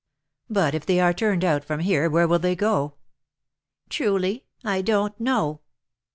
"But, if they are turned out from here, where will they go to?" "Truly, I don't know."